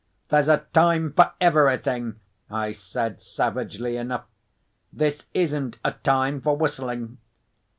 "There's a time for everything," I said savagely enough. "This isn't a time for whistling."